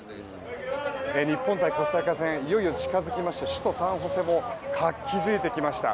日本対コスタリカ戦いよいよ近付きまして首都サンホセも活気付いてきました。